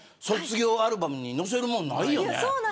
卒業アルバムに載せるものないよね。